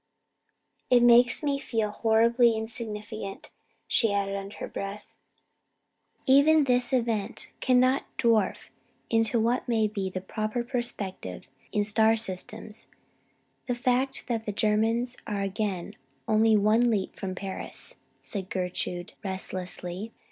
It makes me feel horribly insignificant," she added under her breath. "Even this event cannot dwarf into what may be the proper perspective in star systems the fact that the Germans are again only one leap from Paris," said Gertrude restlessly.